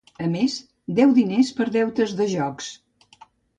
A més, deu diners per deutes de jocs.